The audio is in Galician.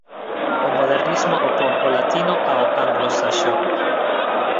O modernismo opón o latino ó anglosaxón.